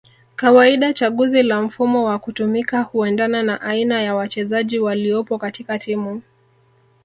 kawaida chaguzi la mfumo wa kutumika huendana na aina ya wachezaji waliopo katika timu